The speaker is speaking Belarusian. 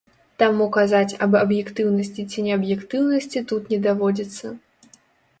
Таму казаць аб аб'ектыўнасці ці неаб'ектыўнасці тут не даводзіцца.